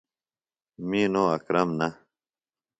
می نو اکرم نہ۔